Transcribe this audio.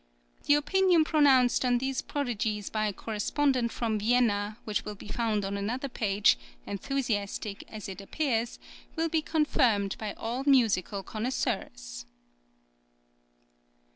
The opinion pronounced on these prodigies by a correspondent from Vienna, which will be found on another page, enthusiastic as it appears, will be confirmed by all musical connoisseurs.